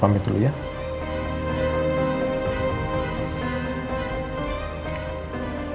bersama material ini masih ada